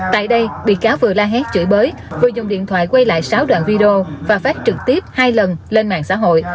tại đây bị cáo vừa la hét chửi bới vừa dùng điện thoại quay lại sáu đoạn video và phát trực tiếp hai lần lên mạng xã hội